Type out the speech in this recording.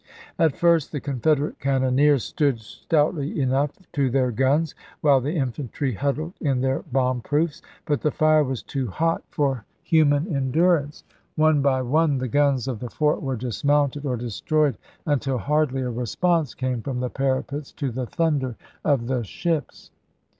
At first the Confederate cannoneers stood stoutly enough to their guns, while the infantry huddled in their bomb proofs ; but the fire was too hot for human endurance ; one by one the guns of the fort were dismounted or destroyed, until hardly a response came from the parapets to the thunder of the ships.